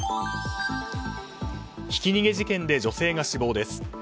ひき逃げ事件で女性が死亡です。